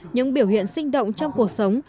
những biểu hiện sinh động trong cuộc sống